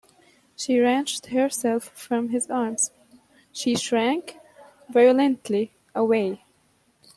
She wrenched herself from his arms, she shrank violently away.